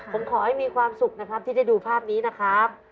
ผมขอให้มีความสุขนะครับที่ได้ดูภาพนี้นะครับ